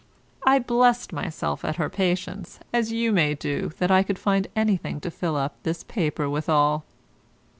I blest myself at her patience, as you may do that I could find anything to fill up this paper withal.